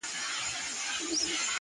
زموږ د كلي څخه ربه ښكلا كډه كړې,